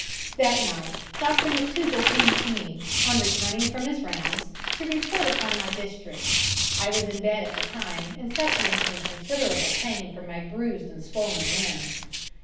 That night Dr McTougall came to me, on returning from his rounds, to report upon my district. I was in bed at the time, and suffering considerable pain from my bruised and swollen limb.